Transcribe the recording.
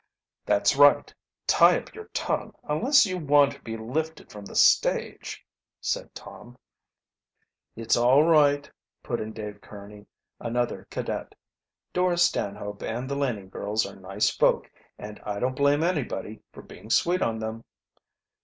"That's right, tie up your tongue, unless you want to be lifted from the stage," said Tom. "It's all right," put in Dave Kearney, another cadet. "Dora Stanhope and the Laning girls are nice folk and I don't blame anybody for being sweet on them."